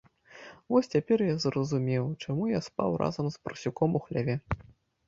Вось цяпер я зразумеў, чаму я спаў разам з парсюком у хляве.